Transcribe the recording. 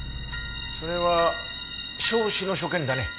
それは焼死の所見だね。